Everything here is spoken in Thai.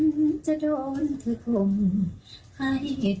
คิดถึงทุกคนนะฮะค่ะคิดถึงแฟนเพลงทุกคน